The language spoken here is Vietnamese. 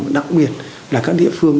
và đặc biệt là các địa phương